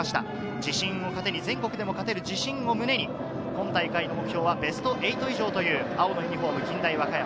自信を糧に全国でも勝てる自信を胸に、今大会の目標はベスト８以上という近大和歌山。